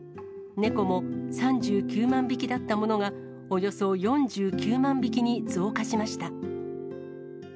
猫も３９万匹だったものが、およそ４９万匹に増加しました。